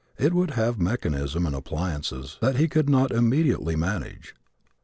It would have mechanism and appliances that he could not immediately manage.